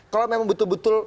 kalau memang betul betul